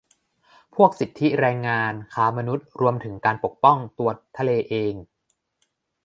พวกสิทธิแรงงาน ค้ามนุษย์ รวมถึงการปกป้องตัวทะเลเอง